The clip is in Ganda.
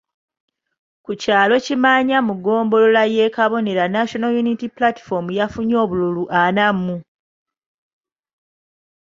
Ku kyalo Kimaanya mu ggombolola y'e Kabonera National Unity Platform yafunye obululu ana mu.